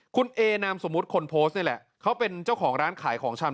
คุณเอนามสมมุติคนโพสต์นี่แหละเขาเป็นเจ้าของร้านขายของชำ